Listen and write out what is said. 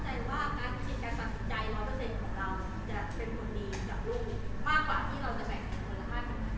จะเป็นคนดีกับลูกมากกว่าที่เราจะแบ่งคนละห้า